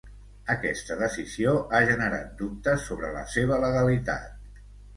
Aquesta decisió ha generat dubtes sobre la seva legalitat.